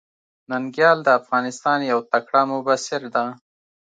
ننګيال د افغانستان يو تکړه مبصر ده.